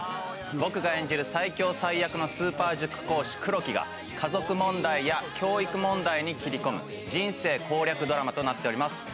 僕が演じる最強最悪のスーパー塾講師、黒木が、家族問題や、教育問題に切り込む、人生攻略ドラマとなっております。